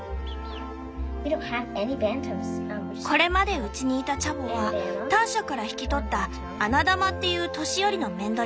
これまでうちにいたチャボはターシャから引き取った「アナダマ」っていう年寄りの雌鶏だけ。